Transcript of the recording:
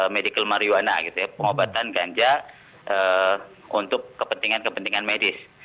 medical marijuana pengobatan ganja untuk kepentingan kepentingan medis